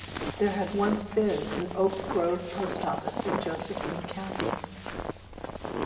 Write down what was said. There had once been an Oak Grove post office in Josephine County.